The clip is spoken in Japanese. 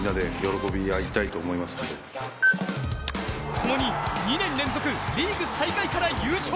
ともに、２年連続リーグ最下位から優勝。